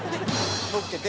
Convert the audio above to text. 乗っけて。